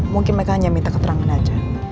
mungkin mereka hanya minta keterangan saja